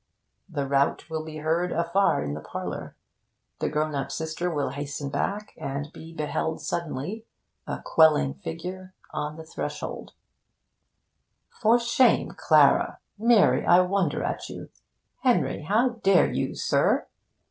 The rout will be heard afar in the parlour. The grown up sister will hasten back and be beheld suddenly, a quelling figure, on the threshold: 'For shame, Clara! Mary, I wonder at you! Henry, how dare you, sir?